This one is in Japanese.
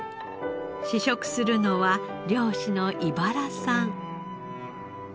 試食するのは漁師の井原さん。